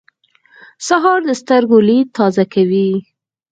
سهار د سترګو لید تازه کوي.